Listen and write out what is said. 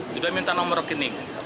sudah minta nomor rekening